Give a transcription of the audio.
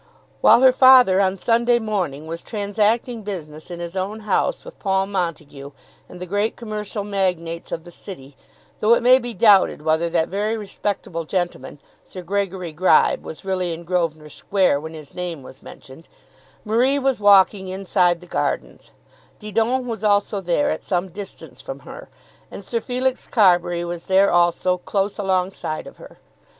While her father on Sunday morning was transacting business in his own house with Paul Montague and the great commercial magnates of the city, though it may be doubted whether that very respectable gentleman Sir Gregory Gribe was really in Grosvenor Square when his name was mentioned, Marie was walking inside the gardens; Didon was also there at some distance from her; and Sir Felix Carbury was there also close along side of her.